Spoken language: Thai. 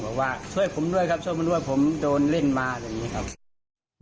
บอกว่าช่วยผมด้วยครับช่วยมันด้วยผมโดนเล่นมาอย่างนี้ครับ